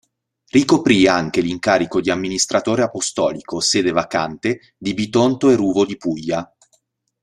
Ricoprì anche l'incarico di amministratore apostolico, sede vacante, di Bitonto e Ruvo di Puglia.